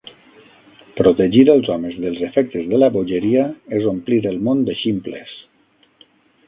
Protegir els homes dels efectes de la bogeria és omplir el món de ximples.